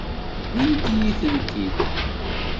Wwint-iyi-tent-id.